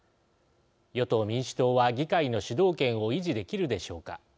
与党、民主党は議会の主導権を維持できるのでしょうか。